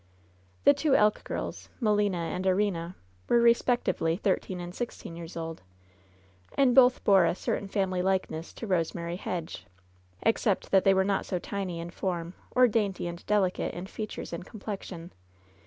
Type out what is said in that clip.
The two Elk girls, Melina and Erina, were respec^ tively thirteen and sixteen years old, and both bore a certain family likeness to Eosemary Hedge, except that they were not so tiny in form or dainty and delicate in features and complexion.